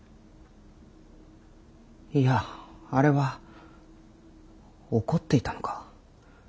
いやあれは怒っていたのか。